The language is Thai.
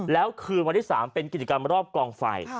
แล้วคืนวันที่๓เป็นกิจกรรมรอบกองไฟ